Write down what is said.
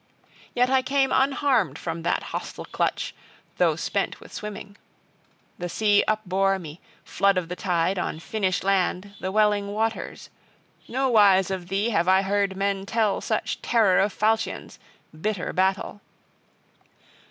Yet I came unharmed from that hostile clutch, though spent with swimming. The sea upbore me, flood of the tide, on Finnish land, the welling waters. No wise of thee have I heard men tell such terror of falchions, bitter battle.